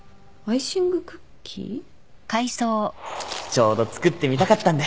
ちょうど作ってみたかったんで